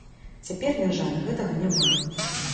Цяпер, на жаль, гэтага няма.